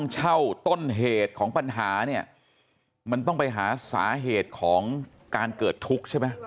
เช่าต้นเหตุของปัญหาเนี่ยมันต้องไปหาสาเหตุของการเกิดทุกข์ใช่ไหม